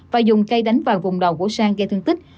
và dùng cây đánh vào vùng đầu của sang gây thương tích